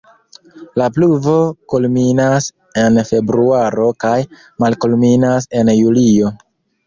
La pluvo kulminas en februaro kaj malkulminas en julio.